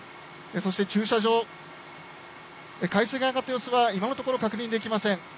そして駐車場、海水が上がった様子は今のところ確認できません。